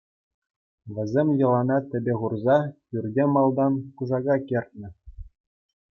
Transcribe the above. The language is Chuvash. Вӗсем йӑлана тӗпе хурса пӳрте малтан кушака кӗртнӗ.